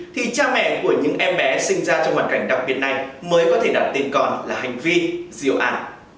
thì cha mẹ của những em bé sinh ra trong hoàn cảnh đặc biệt này mới có thể đặt tên con là hạnh vi diệu an